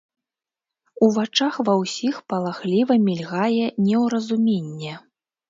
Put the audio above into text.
У вачах ва ўсіх палахліва мільгае неўразуменне.